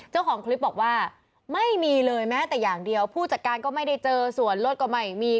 เจ้าของคลิปบอกว่าไม่มีเลยแม้แต่อย่างเดียวผู้จัดการก็ไม่ได้เจอส่วนรถก็ไม่มี